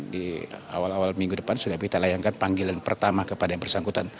di awal awal minggu depan sudah kita layankan panggilan pertama kepada yang bersangkutan